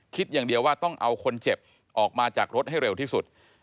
คิดอย่างเดียวว่าต้องเอาคนเจ็บออกมาจากรถให้เร็วที่สุด